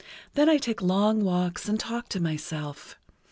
Then I take long walks and talk to myself.